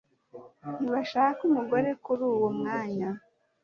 ntibashaka umugore kuri uwo mwanya